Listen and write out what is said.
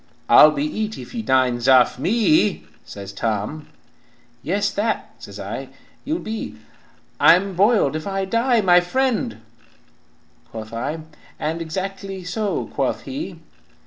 "'I'll be eat if you dines off me,' says Tom, 'Yes, that,' says I, 'you'll be,' 'I'm boiled if I die, my friend,' quoth I, And 'Exactly so,' quoth he.